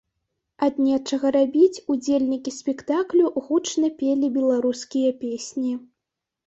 Ад нечага рабіць удзельнікі спектаклю гучна пелі беларускія песні.